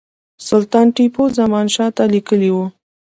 سلطان ټیپو زمانشاه ته لیکلي وه.